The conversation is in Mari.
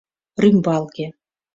Рӱмбалге.